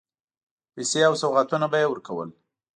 پیسې او سوغاتونه به یې ورکول.